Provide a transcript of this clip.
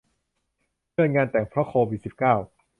เลื่อนงานแต่ง เพราะโควิด สิบเก้า